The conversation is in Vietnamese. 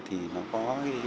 thì nó có